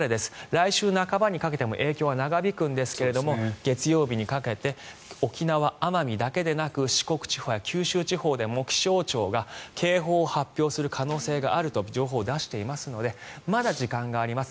来週半ばにかけても影響は長引くんですが月曜日にかけて沖縄、奄美だけでなく四国地方や九州地方でも気象庁が警報を発表する可能性があると情報を出していますのでまだ時間があります。